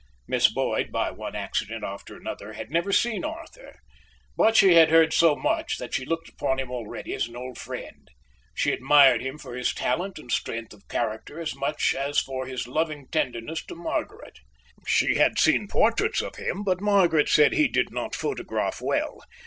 Miss Boyd, by one accident after another, had never seen Arthur, but she had heard so much that she looked upon him already as an old friend. She admired him for his talent and strength of character as much as for his loving tenderness to Margaret. She had seen portraits of him, but Margaret said he did not photograph well.